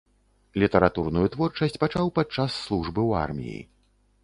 Літаратурную творчасць пачаў падчас службы ў арміі.